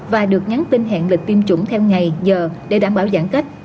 và được nhắn tin hẹn lịch tiêm chủng theo ngày giờ để đảm bảo giãn cách